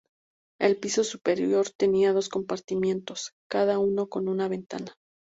El piso superior tenía dos compartimentos, cada uno con una ventana.